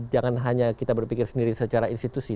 jangan hanya kita berpikir sendiri secara institusi